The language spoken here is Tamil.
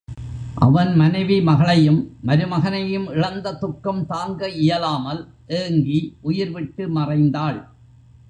அவன் மனைவி, மகளையும், மருமகனையும் இழந்த துக்கம் தாங்க இயலாமல் ஏங்கி உயிர்விட்டு மறைந்தாள்.